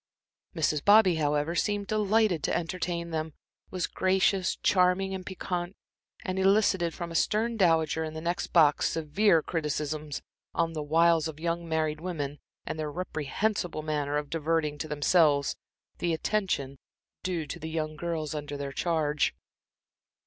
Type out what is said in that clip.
Mrs. Bobby, however, seemed delighted to entertain them, was gracious, charming and piquante, and elicited from a stern dowager in the next box severe criticisms on the wiles of young married women, and their reprehensible manner of diverting to themselves the attention due to the young girls under their charge.